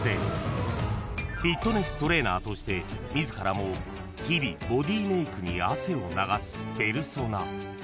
［フィットネストレーナーとして自らも日々ボディメイクに汗を流すペルソナ］